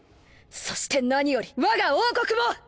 そして何よりわが王国を！